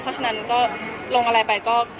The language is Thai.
เพราะฉะนั้นก็ลงอะไรไปก็